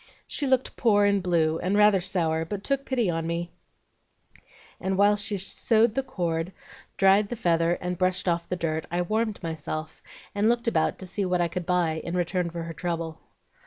She looked poor and blue and rather sour, but took pity on me; and while she sewed the cord, dried the feather, and brushed off the dirt, I warmed myself and looked about to see what I could buy in return for her trouble.